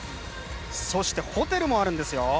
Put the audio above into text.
そして、ホテルもあるんですよ。